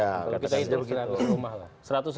kalau kita itu seratus rumah lah